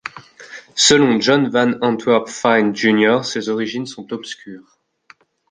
Selon John Van Antwerp Fine Jr., ses origines sont obscures.